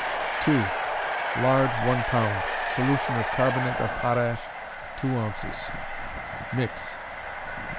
2. Lard, 1 pound; solution of carbonate of potash, 2 ounces. Mix.